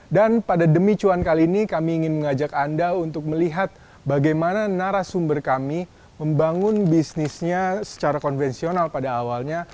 dan pada demi cuan kali ini kami ingin mengajak anda untuk melihat bagaimana narasumber kami membangun bisnisnya secara konvensional pada awalnya